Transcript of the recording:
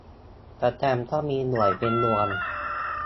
แสตมป์ก็มีหน่วยเป็นดวง